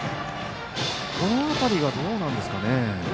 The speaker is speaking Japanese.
この辺りはどうなんですかね。